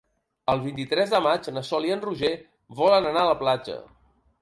El vint-i-tres de maig na Sol i en Roger volen anar a la platja.